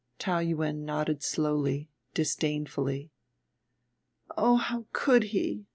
Taou Yuen nodded slowly, disdainfully. "Oh, how could he!"